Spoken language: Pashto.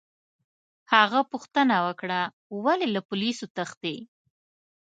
هغه پوښتنه وکړه: ولي، له پولیسو تښتې؟